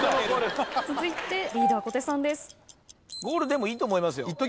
ゴールでもいいと思いますよ。